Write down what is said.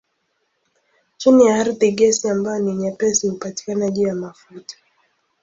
Chini ya ardhi gesi ambayo ni nyepesi hupatikana juu ya mafuta.